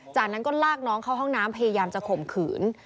จากนั้นก็ลากน้องเข้าห้องน้ำพยายามจะข่มขืน